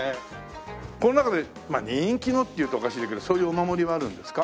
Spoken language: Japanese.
この中で人気のって言うとおかしいんだけどそういうお守りはあるんですか？